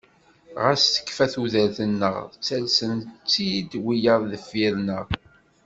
Ɣas tekfa tudert-nneɣ ttalsen-tt-id wiyaḍ deffir-nneɣ.